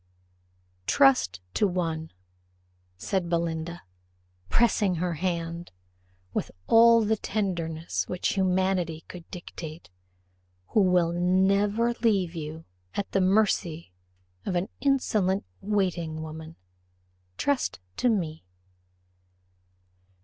"Trust to one," said Belinda, pressing her hand, with all the tenderness which humanity could dictate, "who will never leave you at the mercy of an insolent waiting woman trust to me."